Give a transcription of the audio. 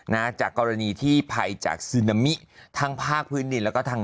นะจากกรณีที่ภัยจากซึนามิทั้งภาคพื้นดินแล้วก็ทาง